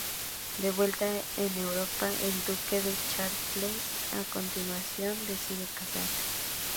De vuelta en Europa, el duque de Chartres, a continuación, decide casarse.